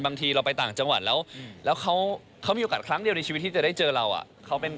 บางทีเราไปต่างจังหวัดแล้วแล้วเขามีโอกาสครั้งเดียวในชีวิตที่จะได้เจอเรา